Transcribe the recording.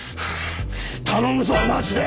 頼むぞマジで！